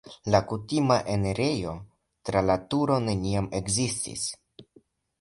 La kutima enirejo tra la turo neniam ekzistis.